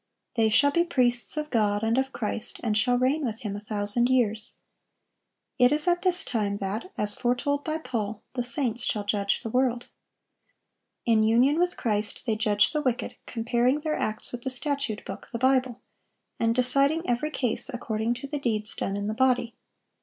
"They shall be priests of God and of Christ, and shall reign with Him a thousand years."(1151) It is at this time that, as foretold by Paul, "the saints shall judge the world."(1152) In union with Christ they judge the wicked, comparing their acts with the statute book, the Bible, and deciding every case according to the deeds done in the body.